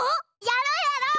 やろうやろう！